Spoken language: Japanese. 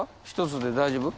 １つで大丈夫？